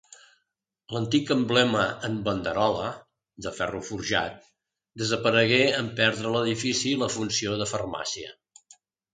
L'antic emblema en banderola, de ferro forjat, desaparegué en perdre l'edifici la funció de farmàcia.